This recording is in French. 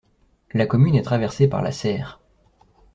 La commune est traversée par la Saire.